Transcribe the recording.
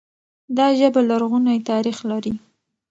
دا ژبه لرغونی تاريخ لري.